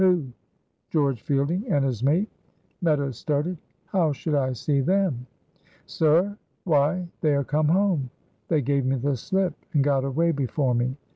"Who?" "George Fielding and his mate." Meadows started. "How should I see them?" "Sir! Why, they are come home. They gave me the slip, and got away before me.